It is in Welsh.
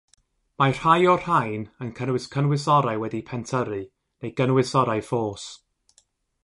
Mae rhai o'r rhain yn cynnwys cynwysorau wedi'u pentyrru neu gynwysorau ffos.